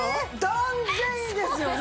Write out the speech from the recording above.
断然いいですよね。